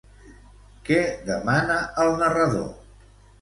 Què demana el narrador?